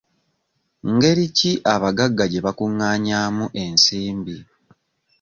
Ngeri ki abagagga gye bakungaanyaamu ensimbi?